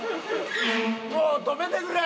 もう止めてくれ！